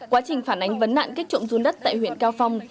quá trình phản ánh vấn nạn kích trộm run đất tại huyện cao phong